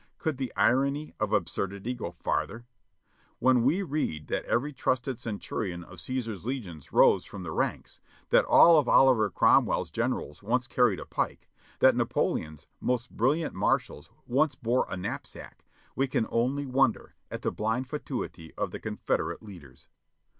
Could the irony of absurdity go farther? When we read that every trusted centurion of Caesar's Legions rose from the ranks, that all of Oliver Cromwell's generals once carried a pike, that Napoleon's most brilliant marshals once bore a knapsack, we can only wonder at the blind fatuity of the Confederate leaders.